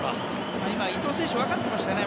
今、伊東選手も分かってましたね。